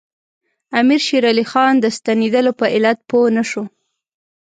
امیر شېر علي خان د ستنېدلو په علت پوه نه شو.